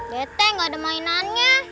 rete enggak ada mainannya